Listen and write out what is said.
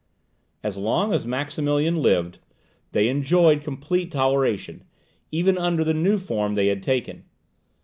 As long as Maximilian lived, they enjoyed complete toleration, even under the new form they had taken.